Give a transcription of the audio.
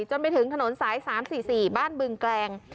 จนไปถึงถนนสาย๓๔๔บ้านบึงแกลง